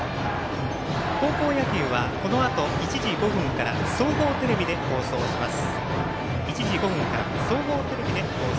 高校野球はこのあと１時５分から総合テレビで放送します。